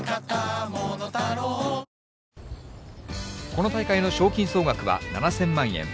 この大会の賞金総額は７０００万円。